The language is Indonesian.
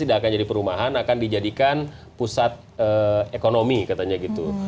tidak akan jadi perumahan akan dijadikan pusat ekonomi katanya gitu